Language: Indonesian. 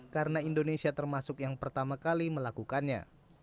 karena indonesia termasuk yang pertama kali melakukannya